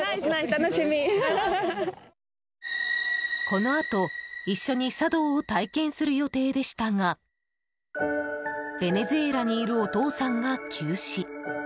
このあと一緒に茶道を体験する予定でしたがベネズエラにいるお父さんが急死。